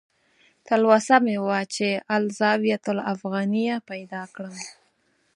تلوسه مې وه چې "الزاویة الافغانیه" پیدا کړم.